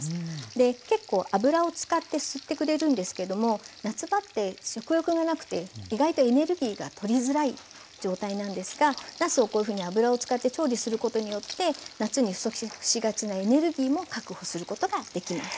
結構油を使って吸ってくれるんですけども夏場って食欲がなくて意外とエネルギーがとりづらい状態なんですがなすをこういうふうに油を使って調理することによって夏に不足しがちなエネルギーも確保することができます。